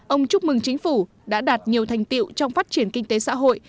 ông chúc mừng chính phủ đã đạt nhiều thành tiệu trong phát triển kinh tế xã hội